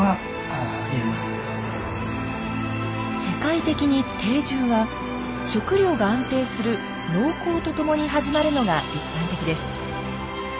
世界的に定住は食料が安定する農耕とともに始まるのが一般的です。